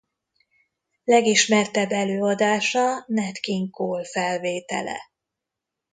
Legismertebb előadása Nat King Cole felvétele.